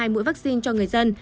hai mũi vaccine cho người dân